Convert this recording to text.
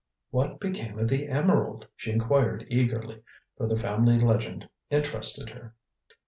"What became of the emerald?" she inquired eagerly, for the family legend interested her.